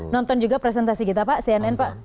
nonton juga presentasi kita pak cnn pak